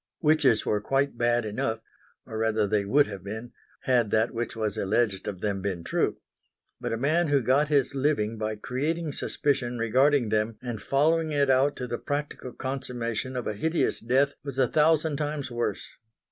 Witches were quite bad enough; or rather they would have been, had that which was alleged of them been true. But a man who got his living by creating suspicion regarding them and following it out to the practical consummation of a hideous death, was a thousand times worse.